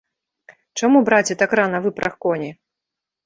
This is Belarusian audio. Чаму, браце, так рана выпраг коні?